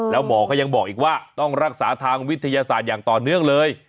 แล้วหมอก็ยังบอกอีกว่าต้องรักษาทางวิทยาศาสตร์อย่างต่อเนื่องเลย